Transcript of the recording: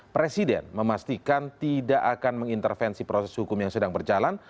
presiden memastikan tidak akan mengintervensi proses hukum yang sedang berjalan